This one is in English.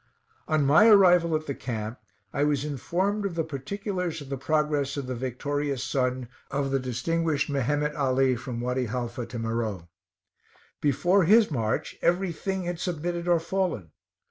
On my arrival at the camp, I was informed of the particulars of the progress of the victorious son of the distinguished Meheromet Ali from Wady Haifa to Meroe. Before his march every thing had submitted or fallen.